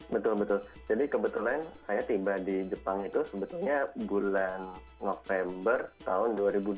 betul betul jadi kebetulan saya tiba di jepang itu sebetulnya bulan november tahun dua ribu dua puluh